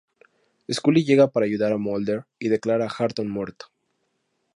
Scully llega para ayudar a Mulder y declara a Wharton muerto.